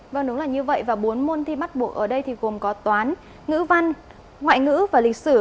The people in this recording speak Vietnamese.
vâng đúng là như vậy và bốn môn thi bắt buộc ở đây thì gồm có toán ngữ văn ngoại ngữ và lịch sử